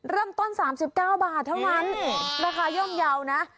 เริ่มต้น๓๙บาทเท่านั้นราคาย่อมเยาว์นะ